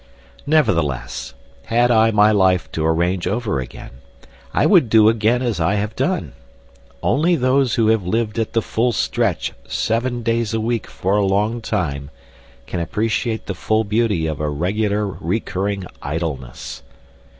Nevertheless, had I my life to arrange over again, I would do again as I have done. Only those who have lived at the full stretch seven days a week for a long time can appreciate the full beauty of a regular recurring idleness.